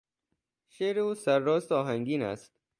شعر او سر راست و آهنگین است.